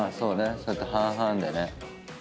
そうやって半々でね。